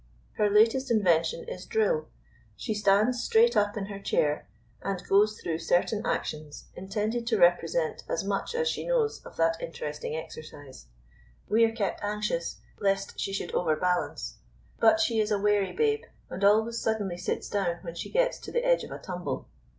Her latest invention is drill. She stands straight up in her chair, and goes through certain actions intended to represent as much as she knows of that interesting exercise. We are kept anxious lest she should overbalance; but she is a wary babe, and always suddenly sits down when she gets to the edge of a tumble.